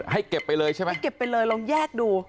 ให้เก็บไปเลยใช่ไหมให้เก็บไปเลยลองแยกดู